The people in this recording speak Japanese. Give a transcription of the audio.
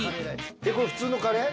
えっこれ普通のカレー？